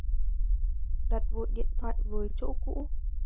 Đặt vội điện thoại với chỗ cũ